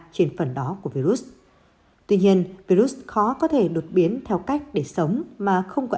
trên phần đó của virus tuy nhiên virus khó có thể đột biến theo cách để sống mà không có